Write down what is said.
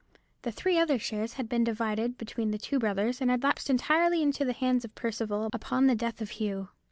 The three other shares had been divided between the two brothers, and had lapsed entirely into the hands of Percival upon the death of Hugh.